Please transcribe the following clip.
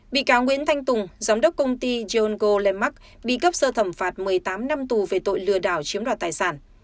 bị cáo nguyễn thanh tùng giám đốc công ty yono lemac bị cấp sơ thẩm phạt một mươi tám năm tù về tội lừa đảo chiếm đoạt tài sản